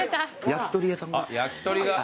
焼き鳥屋さんが。